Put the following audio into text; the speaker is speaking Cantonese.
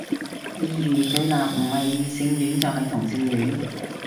二元對立，唔係異性戀就係同性戀